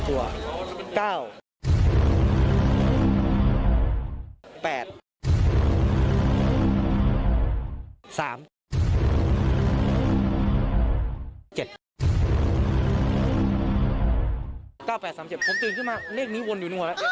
ผมตื่นขึ้นมาเลขนี้วนอยู่หน่อย